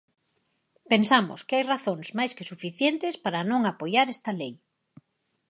Pensamos que hai razóns máis que suficientes para non apoiar esta lei.